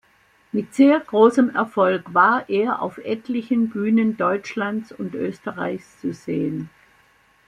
Mit sehr großem Erfolg war er auf etlichen Bühnen Deutschlands und Österreichs zu sehen.